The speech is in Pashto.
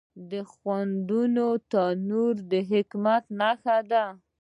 د خوندونو تنوع د حکمت نښه ده.